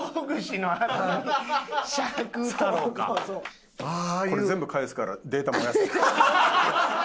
これ全部返すからデータ燃やせ。